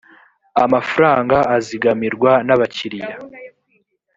amafranga azigamirwa n abakiriya